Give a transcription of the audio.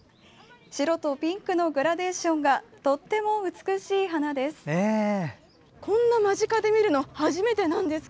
白とピンクのグラデーションがとっても美しい花です。